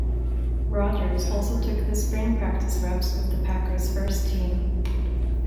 Rodgers also took the spring practice reps with the Packers' first team.